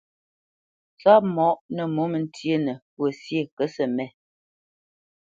Tsopmǒ nǝ mǒmǝ ntyénǝ́ fwo syé kǝtʼsǝmét.